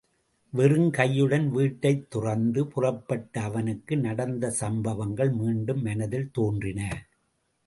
வெறுங்கையுடன் வீட்டைத் துறந்து புறப்பட்ட அவனுக்கு நடந்த சம்பவங்கள் மீண்டும் மனத்தில் தோன்றின.